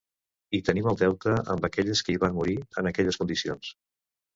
Hi tenim el deute amb les que hi van morir, en aquelles condicions.